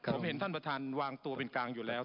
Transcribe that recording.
ผมเห็นท่านประธานวางตัวเป็นกลางอยู่แล้ว